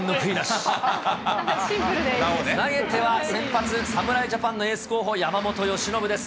投げては先発、侍ジャパンのエース候補、山本由伸です。